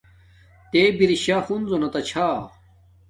تے برشا ہنزو نا تا چھا